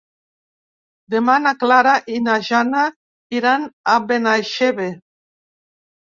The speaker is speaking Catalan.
Demà na Clara i na Jana iran a Benaixeve.